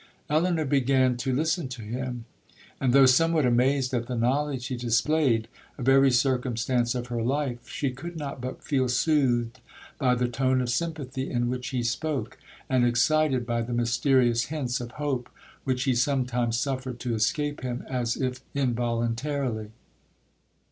Elinor began to listen to him;—and, though somewhat amazed at the knowledge he displayed of every circumstance of her life, she could not but feel soothed by the tone of sympathy in which he spoke, and excited by the mysterious hints of hope which he sometimes suffered to escape him as if involuntarily.